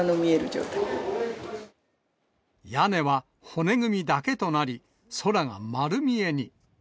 屋根は骨組みだけとなり、空が丸見えに。